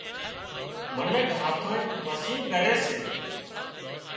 منک هاٿانئي مسيون ڳري سي